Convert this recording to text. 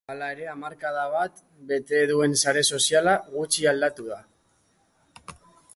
Hala ere, hamarkada bat bete duen sare soziala gutxi aldatu da.